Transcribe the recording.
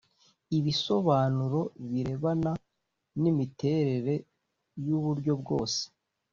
Ibisobanuro birebana n imiterere y uburyo bwose